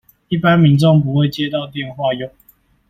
一般民眾不會接到電話唷